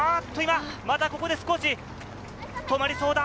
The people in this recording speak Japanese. またここで少し止まりそうだ！